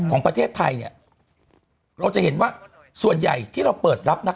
ของประเทศไทยเนี่ยเราจะเห็นว่าส่วนใหญ่ที่เราเปิดรับนัก